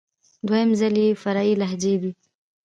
دوهم ډول ئې فرعي لهجې دئ.